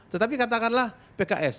tetapi katakanlah pks